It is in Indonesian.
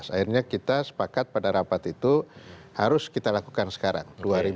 akhirnya kita sepakat pada rapat itu harus kita lakukan sekarang dua ribu sembilan belas